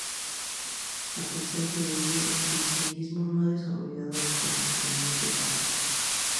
A pesar de ello, el cristianismo no ha desarrollado el correspondiente tabú.